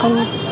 cũng hạn chế